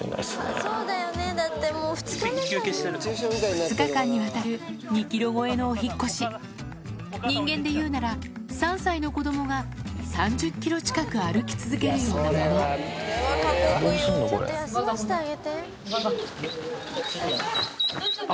２日間にわたる２ｋｍ超えのお引っ越し人間でいうなら３歳の子供が３０ｋｍ近く歩き続けるようなものどうすんの？